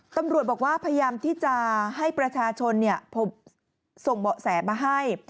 ตำรวจบอกว่าพยายามที่จะให้ประชาชนส่งเบาะแสมาให้